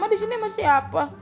mama disini emang siapa